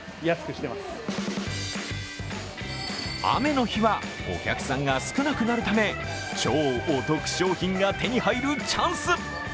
雨の日はお客さんが少なくなるため、超お得商品が手に入るチャンス。